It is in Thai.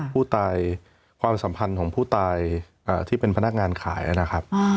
ผู้ตายความสัมพันธ์ของผู้ตายที่เป็นพนักงานขายนะครับ